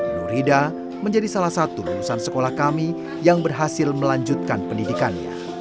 nurida menjadi salah satu lulusan sekolah kami yang berhasil melanjutkan pendidikannya